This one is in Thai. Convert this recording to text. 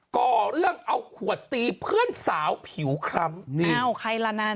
ก่อเรื่องเอาขวดตีเพื่อนสาวผิวครำ